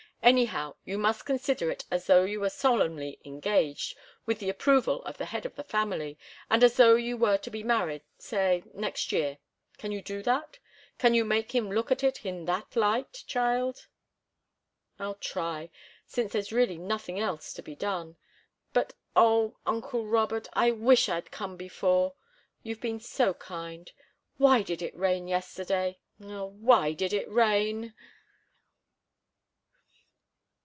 Anyhow, you must consider it as though you were solemnly engaged, with the approval of the head of the family, and as though you were to be married, say, next year. Can you do that? Can you make him look at it in that light, child?" "I'll try, since there's really nothing else to be done. But oh, uncle Robert, I wish I'd come before. You've been so kind! Why did it rain yesterday oh, why did it rain?"